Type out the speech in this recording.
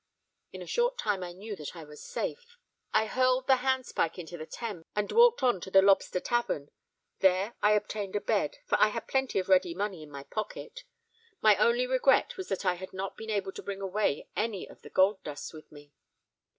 In a short time I knew that I was safe. I hurled the handspike into the Thames, and walked on to the Lobster Tavern. There I obtained a bed—for I had plenty of ready money in my pocket. My only regret was that I had not been able to bring away any of the gold dust with me."